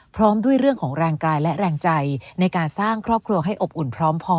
พร้อมด้วยเรื่องของแรงกายและแรงใจในการสร้างครอบครัวให้อบอุ่นพร้อมพอ